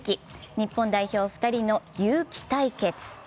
日本代表２人の「ユウキ」対決。